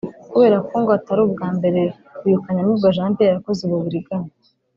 Kubera ko ngo atari ubwa mbere uyu Kanyamibwa Jean Pierre akoze ubu buriganya